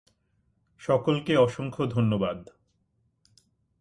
সকলকে অসংখ্য ধন্যবাদ।